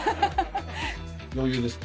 余裕ですか？